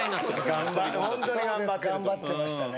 頑張ってましたね。